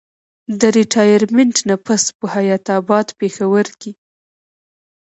د ريټائرمنټ نه پس پۀ حيات اباد پېښور کښې